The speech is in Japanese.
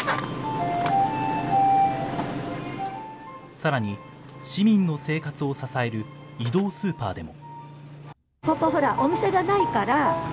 さらに、市民の生活を支える移動スーパーでも。